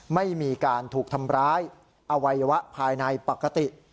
ไม่มีการถูกทำร้ายอวัยวะภายในปกติ